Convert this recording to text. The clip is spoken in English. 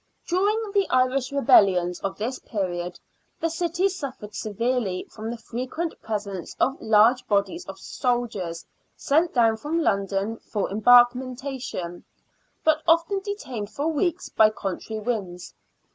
During the Irish rebellions of this period, the city suffered severely from the frequent presence of large bodies of soldiers, sent down from London for embarkation, but often detained for weeks by contrary winds.